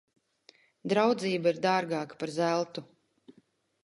Draudzība ir dārgāka par zeltu.